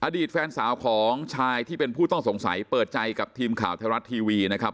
อดีตแฟนสาวของชายที่เป็นผู้ต้องสงสัยเปิดใจกับทีมข่าวไทยรัฐทีวีนะครับ